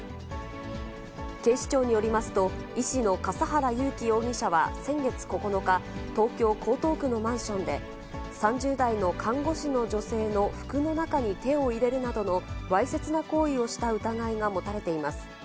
警視庁によりますと、医師の笠原優輝容疑者は先月９日、東京・江東区のマンションで、３０代の看護師の女性の服の中に手を入れるなどのわいせつな行為をした疑いが持たれています。